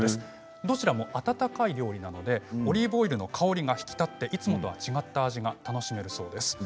どちらも温かい料理でオリーブオイルの香りが引き立って、いつもとは違った味わいが楽しめるそうです。